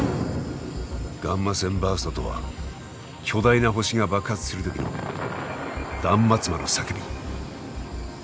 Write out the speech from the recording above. ガンマ線バーストとは巨大な星が爆発するときの断末魔の叫び。